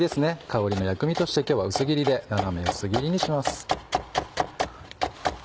香りの薬味として今日は薄切りで斜め薄切りにします。